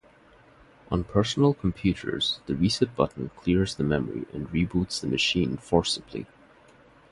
On personal computers, the reset button clears the memory and reboots the machine forcibly.